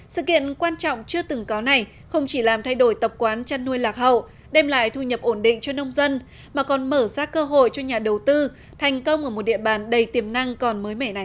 sự kiện quan trọng chưa từng có này không chỉ làm thay đổi tập quán chăn nuôi lạc hậu đem lại thu nhập ổn định cho nông dân mà còn mở ra cơ hội cho nhà đầu tư thành công ở một địa bàn đầy tiềm năng còn mới mẻ này